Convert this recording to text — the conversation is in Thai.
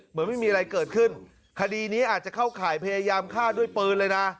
เหมือนไม่มีอะไรเกิดขึ้นคดีนี้อาจจะเข้าข่ายพยายามฆ่าด้วยปืนเลยนะ